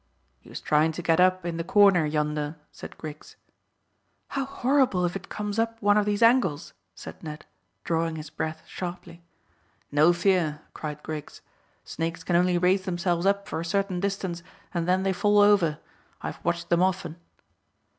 "He was trying to get up in the corner yonder," said Griggs. "How horrible if it comes up one of these angles," said Ned, drawing his breath sharply. "No fear," cried Griggs. "Snakes can only raise themselves up for a certain distance, and then they fall over. I've watched them often."